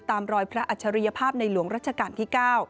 ตามรอยพระอัจฉริยภาพในหลวงรัชกาลที่๙